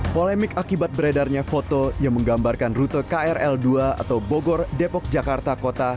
polemik akibat beredarnya foto yang menggambarkan rute krl dua atau bogor depok jakarta kota